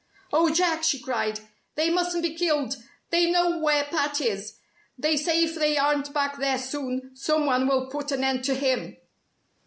"Oh, Jack!" she cried, "they mustn't be killed! They know where Pat is. They say if they aren't back there soon, someone will put an end to him!"